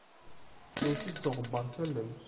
Iwwet-it s uɣwebbaṛ s allen.